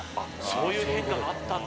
そういう変化があったんですね